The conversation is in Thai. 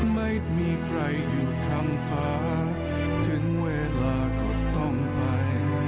ไม่มีใครอยู่ทำฟ้าถึงเวลาก็ต้องไป